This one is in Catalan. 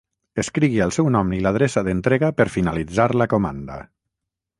Escrigui el seu nom i l'adreça d'entrega per finalitzar la comanda.